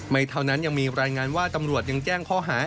เท่านั้นยังมีรายงานว่าตำรวจยังแจ้งข้อหา